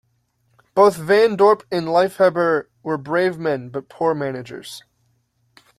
Both Van Dorp and Liefhebber were brave men but poor managers.